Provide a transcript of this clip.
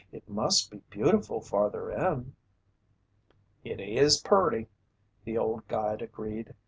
"It must be beautiful farther in." "It is purty," the old guide agreed.